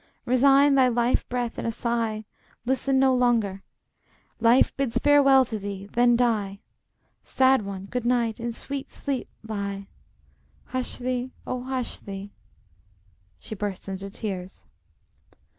Resign thy life breath in a sigh, Listen no longer, Life bids farewell to thee, then die! Sad one, good night! in sweet sleep lie! Hush thee, oh, hush thee! [She bursts into tears.